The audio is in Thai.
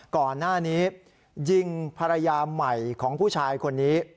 ก่อนหน้านี้ยิงภรรยาใหม่ของผู้ชายคนนี้